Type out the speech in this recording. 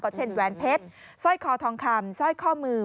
เช่นแหวนเพชรสร้อยคอทองคำสร้อยข้อมือ